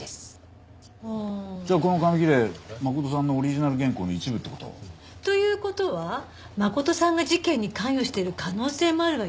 じゃあこの紙切れ真琴さんのオリジナル原稿の一部って事？という事は真琴さんが事件に関与している可能性もあるわよね。